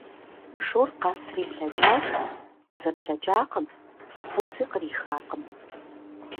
Шур къэсри блэкӏащ, къызэплъэкӏакъым, фӏэхъуси кърихакъым.